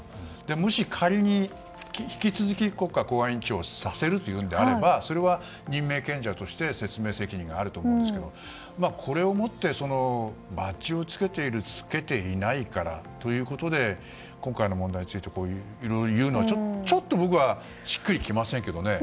もし仮に引き続き国家公安委員長をさせるというのであればそれは任命権者として説明責任があると思うんですがこれをもってバッジをつけているつけていないからということで今回の問題について言うのはちょっと僕はしっくりきませんけどね。